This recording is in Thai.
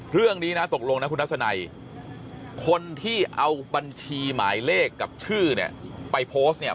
เรื่องนี้นะตกลงนะคุณทัศนัยคนที่เอาบัญชีหมายเลขกับชื่อเนี่ยไปโพสต์เนี่ย